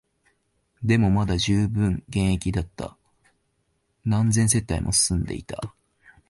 でも、まだ充分現役だった、何千世帯も住んでいた